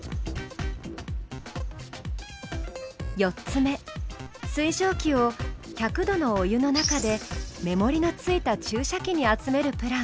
４つ目水蒸気を１００度のお湯の中で目盛りのついた注射器に集めるプラン。